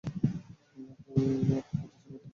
আমরা আর কি প্রত্যাশা করতে পারি?